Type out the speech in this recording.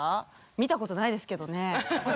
見たことないですけどね